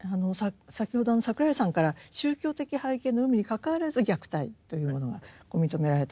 先ほど櫻井さんから宗教的背景の有無にかかわらず虐待というものが認められたと。